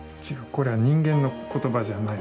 これは人間の言葉じゃない。